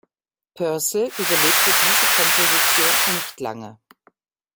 Purcell überlebte diese Komposition nicht lange.